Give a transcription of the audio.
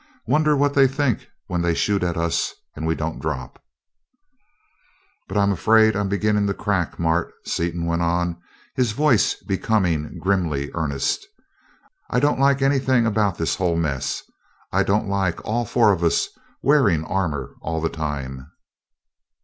Wonder what they think when they shoot at us and we don't drop? "But I'm afraid I'm beginning to crack, Mart," Seaton went on, his voice becoming grimly earnest. "I don't like anything about this whole mess. I don't like all four of us wearing armor all the time.